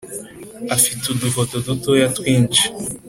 Afite udufoto dutoya twinshi